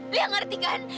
liat ngerti kan